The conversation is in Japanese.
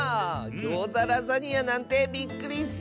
ギョーザラザニアなんてびっくりッス！